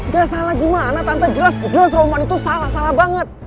gak salah gimana tante jelas jelas roman itu salah salah banget